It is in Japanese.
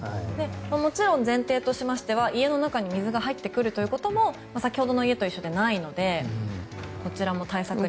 もちろん前提としましては家の中に水が入ってくるということも先ほどの家と一緒でないのでこちらも対策に。